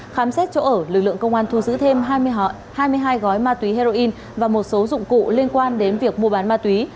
khám xét chỗ ở lực lượng công an thu giữ thêm hai mươi hai gói ma túy heroin và một số dụng cụ liên quan đến việc mua bán ma túy